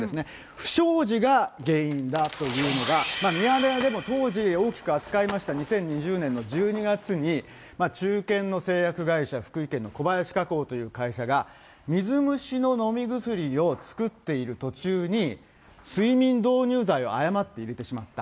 不祥事が原因だというのが、ミヤネ屋でも当時大きく扱いました、２０２０年の１２月に、中堅の製薬会社、福井県の小林化工という会社が、水虫の飲み薬を作っている途中に、睡眠導入剤を誤って入れてしまった。